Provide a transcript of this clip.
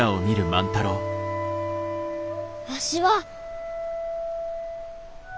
わしは。